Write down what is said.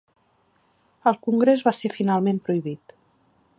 El congrés va ser finalment prohibit.